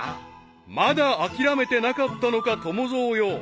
［まだ諦めてなかったのか友蔵よ］